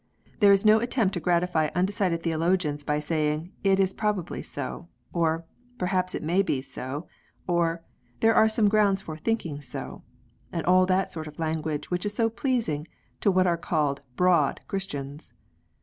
There is no attempt to gratify undecided theologians by saying, "It is probably so," or, "Perhaps it may be so," or, "There are some grounds for thinking so," and all that sort of language which is so pleasing to what are called "broad" Christians.